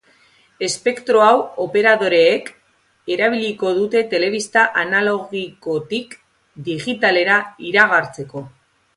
Espektro hau operadoreek erabiliko dute telebista analogikotik digitalera igarotzeko.